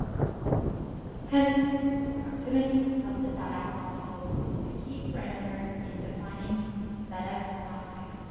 Hence, proximity of the dye molecules was the key parameter in defining metachromasia.